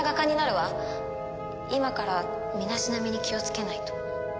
今から身だしなみに気をつけないと。